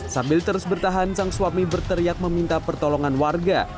sambil terus bertahan sang suami berteriak meminta pertolongan warga